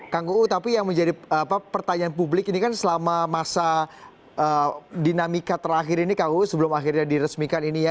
kang uu tapi yang menjadi pertanyaan publik ini kan selama masa dinamika terakhir ini kang uu sebelum akhirnya diresmikan ini ya